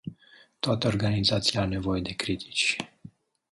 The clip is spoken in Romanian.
Toate organizațiile au nevoie de critici.